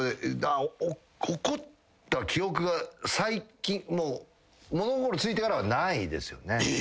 怒った記憶が最近物心ついてからはないですよね。